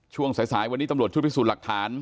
ช่วงสายวันนี้ตำรวจชุดพิสูจน์หลักฐาน